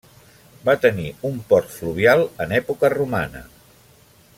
Va tenir un port fluvial en època romana.